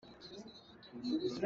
Voikhat na fir ahcun an lem lai.